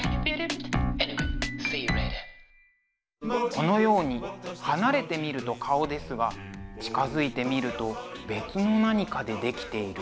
このように離れて見ると顔ですが近づいて見ると別の何かで出来ている。